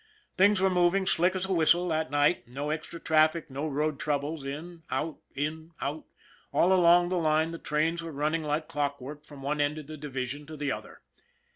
Things were moving slick as a whistle that night. No extra traffic, no road troubles, in out, in out, all along the line the trains were running like clockwork from one end of the division to the other.